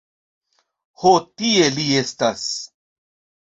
Ho tie li estas.